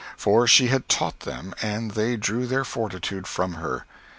For she had taught them, and they drew their fortitude from her.